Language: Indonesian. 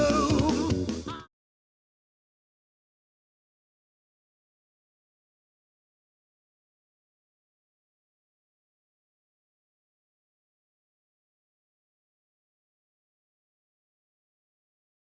eh mau lari kemana